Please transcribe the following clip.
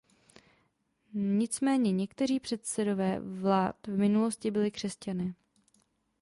Nicméně někteří předsedové vlád v minulosti byli křesťané.